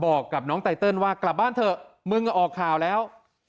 บอกกับน้องไตเติลว่ากลับบ้านเถอะมึงออกข่าวแล้ว